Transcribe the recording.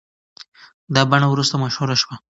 دا بڼه وروسته مشهوره شوه.